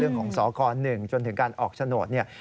เรื่องของสค๑จนถึงการออกโฉนด